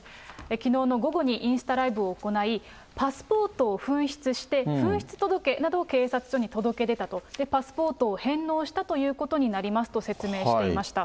きのうの午後にインスタライブを行い、パスポートを紛失して、紛失届などを警察署に届け出たと、パスポートを返納したということになりますと説明していました。